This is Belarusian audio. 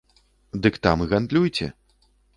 Дык там і гандлюйце!